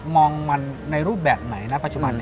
มองมันในรูปแบบไหนนะปัจจุบัน